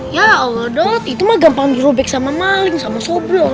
ya allah dot itu mah gampang dirobek sama maling sama sobro